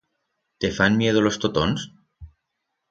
Te fan miedo los totons?